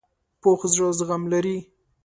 پوخ زړه زغم لري